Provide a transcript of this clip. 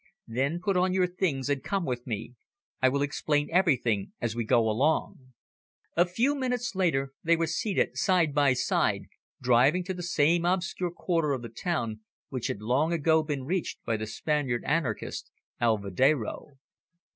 Then put on your things and come with me. I will explain everything as we go along." A few minutes later they were seated side by side, driving to the same obscure quarter of the town which had long ago been reached by the Spanish anarchist Alvedero.